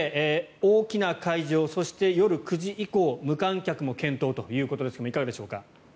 大きな会場、そして夜９時以降無観客も検討ということですがいかがでしょう？